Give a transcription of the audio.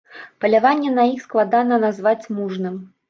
Паляванне на іх складана назваць мужным.